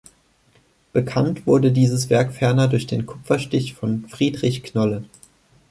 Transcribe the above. Bekannt wurde dieses Werk ferner durch den Kupferstich von Friedrich Knolle.